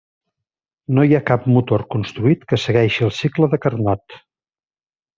No hi ha cap motor construït que segueixi el cicle de Carnot.